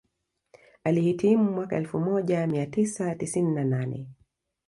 Alihitimu mwaka elfu moja mia tisa tisini na nane